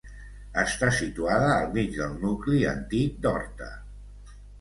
Està situada al mig del nucli antic d'Horta.